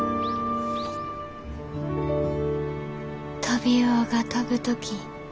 「トビウオが飛ぶとき